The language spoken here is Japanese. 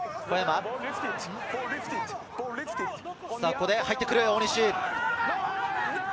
ここで入ってくる、大西。